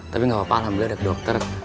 tapi gak apa apa alhamdulillah udah ke dokter